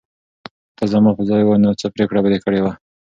که ته زما په ځای وای، نو څه پرېکړه به دې کړې وه؟